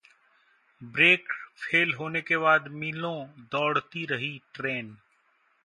break fail होने के बाद मीलों दौड़ती रही ट्रेन